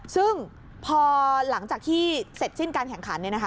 ซึ่งพอหลังจากที่เสร็จสิ้นการแข่งขัน